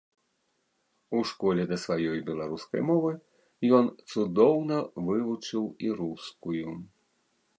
У школе да сваёй беларускай мовы ён цудоўна вывучыў і рускую.